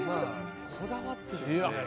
こだわってるんで。